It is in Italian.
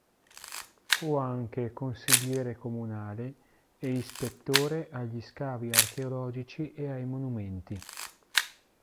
Fu anche consigliere comunale e ispettore agli scavi archeologici e ai monumenti.